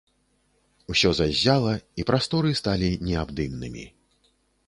Усё заззяла, і прасторы сталі неабдымнымі.